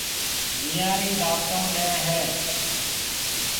وينيان رَي دعوتون ڏَي ھيََََ